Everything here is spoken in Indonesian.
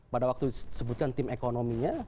pada waktu disebutkan tim ekonominya